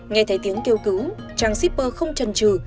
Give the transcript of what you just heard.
nghe thấy tiếng kêu cứu chàng shipper không trần trừ